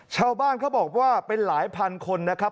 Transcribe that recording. ชาวบ้านเขาบอกว่าเป็นหลายพันคนนะครับ